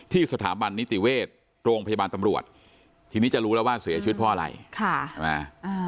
สถาบันนิติเวชโรงพยาบาลตำรวจทีนี้จะรู้แล้วว่าเสียชีวิตเพราะอะไร